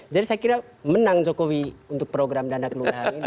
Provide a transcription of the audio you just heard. jadi saya kira menang jokowi untuk program dana kelurahan ini